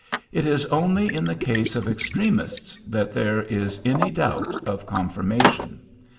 It is only in the case of extremists that there is any doubt of confirmation.